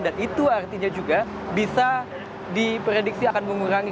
dan itu artinya juga bisa diprediksi akan mengurangi